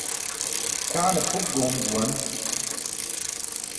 Ćʰaane pʰuk goom juwan.